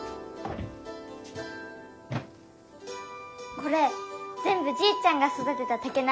これぜんぶじいちゃんがそだてた竹なんだよ。